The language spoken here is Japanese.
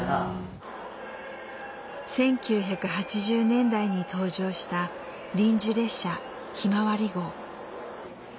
１９８０年代に登場した臨時列車ひまわり号。